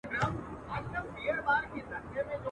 او که ولاړم تر قیامت پوري مي تله دي..